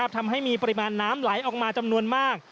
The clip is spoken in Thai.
ทำให้มีปริมาณน้ำไหลออกมาจำนวนมาก